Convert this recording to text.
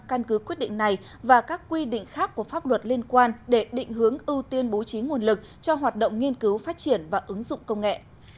căn cứ quyết định này và các quy định khác của pháp luật liên quan để định hướng ưu tiên bố trí nguồn lực cho hoạt động nghiên cứu phát triển và ứng dụng công nghệ